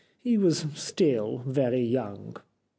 He was still very young."